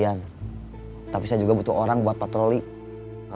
karena mau pergi kewajibanku jangan bekerja sel earrings di dua ribu tujuh belas